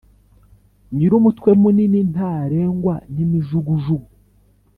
Nyirumutwe munini ntarengwa n’imijugujugu.